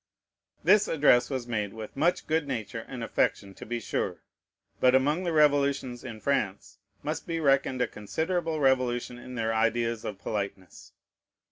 This address was made with much good nature and affection, to be sure. But among the revolutions in France must be reckoned a considerable revolution in their ideas of politeness.